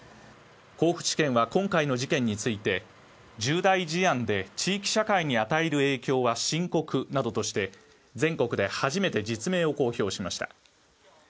甲府地検は今回の事件について重大事案で地域社会に与える影響は深刻などとして、全国で初めて実名を公表しました。